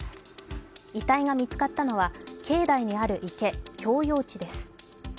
遺体が見つかったのは境内にある池、鏡容池です。